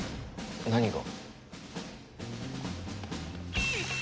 何が？